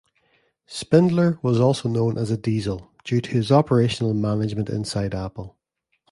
Spindler was known as "diesel" due to his operational management inside Apple.